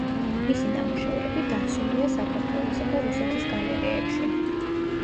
მისი ნამუშევრები დაცულია საქართველოსა და რუსეთის გალერეებში.